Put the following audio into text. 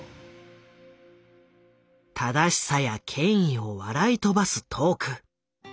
正しさや権威を笑い飛ばすトーク。